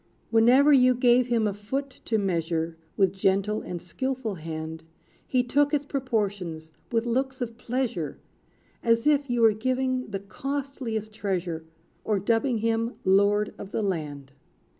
Whenever you gave him a foot to measure. With gentle and skilful hand, He took its proportions, with looks of pleasure, As if you were giving the costliest treasure, Or dubbing him lord of the land.